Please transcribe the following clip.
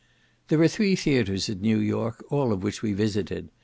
There are three theatres at New York, all of which we visited.